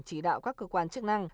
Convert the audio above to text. chỉ đạo các cơ quan chức năng